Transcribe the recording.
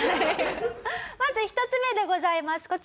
まず１つ目でございます。